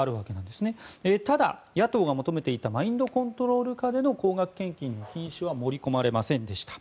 野党が求めていたマインドコントロール下での高額献金の禁止は盛り込まれませんでした。